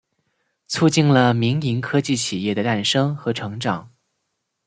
促进了民营科技企业的诞生和成长。